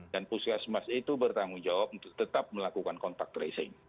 dan puskesmas itu bertanggung jawab untuk tetap melakukan contact tracing